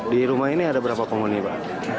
di rumah ini ada berapa penghuni pak